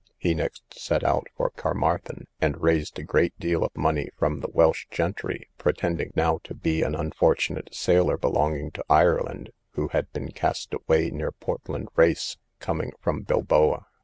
He next set out for Carmarthen, and raised a great deal of money from the Welsh gentry, pretending now to be an unfortunate sailor belonging to Ireland, who had been cast away near Portland Race, coming from Bilboa.